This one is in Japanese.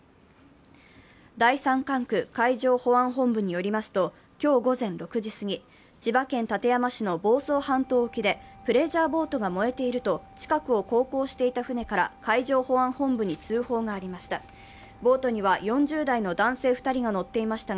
第三管区海上保安本部によりますと、今日午前６時過ぎ、千葉県館山市の房総半島沖でプレジャーボートが燃えていると近くを航行していた船から海上保安本部に通報がありました。